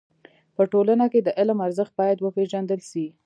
په ټولنه کي د علم ارزښت بايد و پيژندل سي.